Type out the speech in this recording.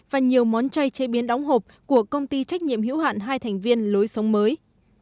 và nhiều món chay chế biến đóng hộp của công ty trách nhiệm hữu hạn hai thành viên lối sống mới